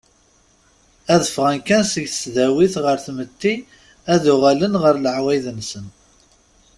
Ad ffɣen kan seg tesdawit ɣer tmetti ad uɣalen ɣer leɛwayed-nsen.